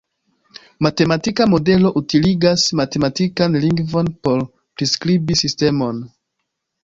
Matematika modelo utiligas matematikan lingvon por priskribi sistemon.